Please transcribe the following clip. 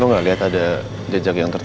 ini panjang banget